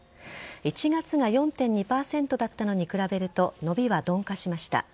１月が４．２％だったのに比べると伸びは鈍化しました。